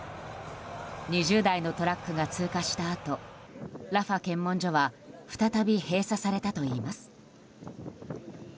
２０台のトラックが通過したあとラファ検問所は再び閉鎖されたといいます。